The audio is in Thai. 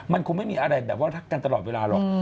มันคงไม่มีอะไรแบบว่ารักกันตลอดเวลาหรอก